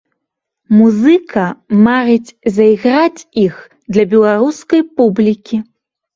Музыка марыць зайграць іх для беларускай публікі.